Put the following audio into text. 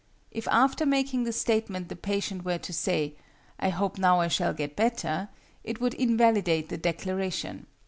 If after making the statement the patient were to say, 'I hope now I shall get better,' it would invalidate the declaration.